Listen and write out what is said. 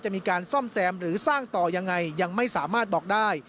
มีการซ่อมแซมหรือสร้างต่อยังไงยังไม่สามารถบอกได้